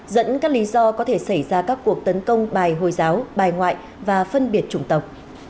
dẫn các lý do có thể xảy ra các cuộc tấn công bài hồi giáo bài ngoại và phân biệt chủng tộc